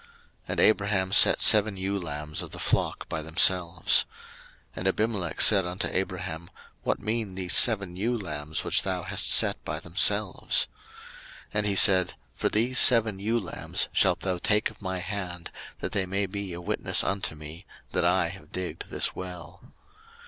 01:021:028 And Abraham set seven ewe lambs of the flock by themselves. 01:021:029 And Abimelech said unto Abraham, What mean these seven ewe lambs which thou hast set by themselves? 01:021:030 And he said, For these seven ewe lambs shalt thou take of my hand, that they may be a witness unto me, that I have digged this well.